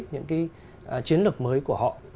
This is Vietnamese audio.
những cái chiến lược mới của họ